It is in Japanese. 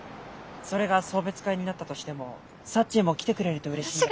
それが送別会になったとしてもサッチーも来てくれるとうれしい。